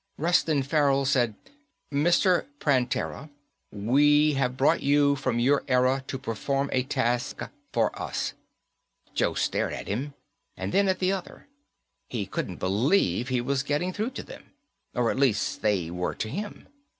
Reston Farrell said, "Mr. Prantera, we have brought you from your era to perform a task for us." Joe stared at him, and then at the other. He couldn't believe he was getting through to them. Or, at least, that they were to him.